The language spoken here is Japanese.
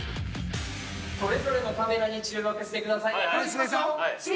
◆それぞれのカメラに注目してください。